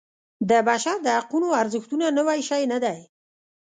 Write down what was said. د بشر د حقونو ارزښتونه نوی شی نه دی.